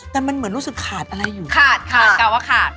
แต่มันเหมือนรู้สึกขาดอะไรอยู่ขาดขาดกะว่าขาด